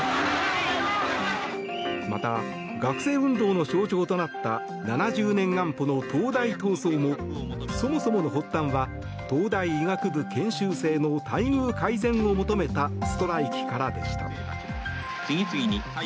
また学生運動の象徴となった７０年安保の東大闘争もそもそもの発端は東大医学部研修生の待遇改善を求めたストライキからでした。